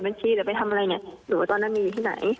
เท่าที่จะไปทำอะไรหรือว่าตอนนั้นอยู่ที่ไหน